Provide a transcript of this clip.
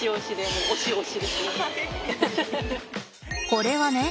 これはね